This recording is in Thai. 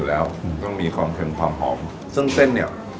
อยู่แล้วต้องมีความเค็มความซึ่งเส้นเนี่ย